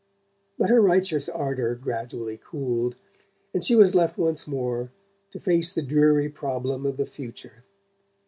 But her righteous ardour gradually cooled, and she was left once more to face the dreary problem of the future.